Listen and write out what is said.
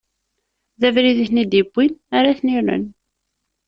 D abrid i ten-id-iwwin ara ten-irren.